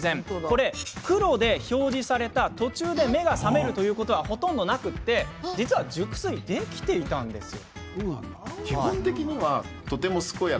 これ、黒で表示された途中で目が覚めることはほとんどなくって実は熟睡できていたんです。